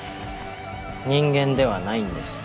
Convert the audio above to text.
人間ではないんです。